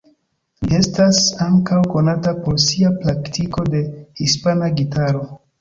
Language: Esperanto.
Li estas ankaŭ konata por sia praktiko de hispana gitaro.